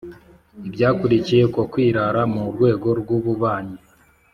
ibyakurikiye uko kwirara mu rwego rw'ububanyi